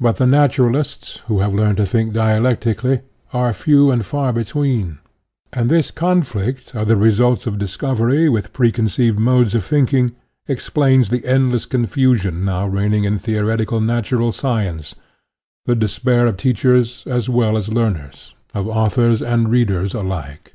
But the naturalists who have learned to think dialectically are few and far between, and this conflict of the results of discovery with' preconceived modes of thinking explains the endless con fusion now reigning in theoretical natural 84 SOCIALISM science, the despair of teachers as well &s learners, of authors and readers alike.